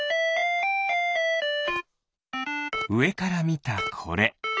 うえからみたこれ。